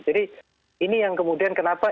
jadi ini yang kemudian kenapa